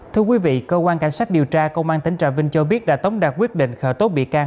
thưa quý vị cơ quan cảnh sát điều tra công an tỉnh trà vinh cho biết đã tống đạt quyết định khởi tố bị can